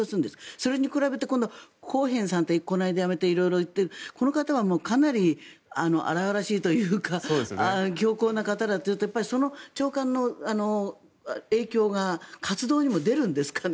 それに比べてコーヘンさんというこの間、辞めたこの方はかなり荒々しいというか強硬な方というと長官の影響が活動にも出るんですかね？